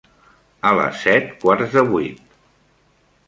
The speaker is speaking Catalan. A les set, quarts de vuit.